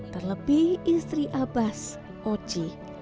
terlebih istri abas oji